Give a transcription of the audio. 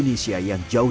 berbeda enggak sih